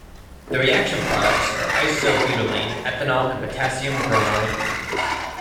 The reaction products are isobutylene, ethanol and potassium bromide.